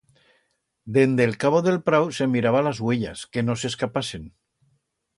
Dende el cabo d'el prau se miraba las uellas, que no s'escapasen.